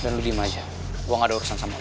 jadi moni udah tau